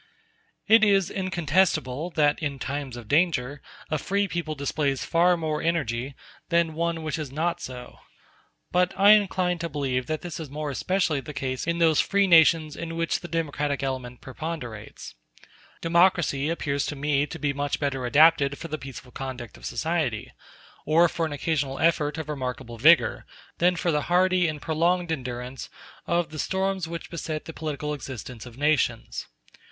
It is incontestable that in times of danger a free people displays far more energy than one which is not so. But I incline to believe that this is more especially the case in those free nations in which the democratic element preponderates. Democracy appears to me to be much better adapted for the peaceful conduct of society, or for an occasional effort of remarkable vigor, than for the hardy and prolonged endurance of the storms which beset the political existence of nations.